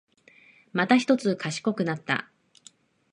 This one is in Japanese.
またひとつ賢くなった